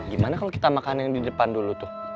gimana kalau kita makan yang di depan dulu tuh